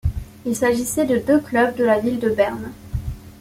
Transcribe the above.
Ils s'agissaient de deux clubs de la ville de Berne.